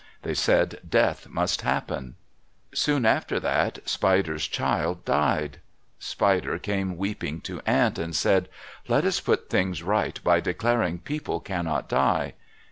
They said death must happen. Soon after that Spider's child died. Spider came weeping to Ant, and said, "Let us put things right by declaring people cannot die."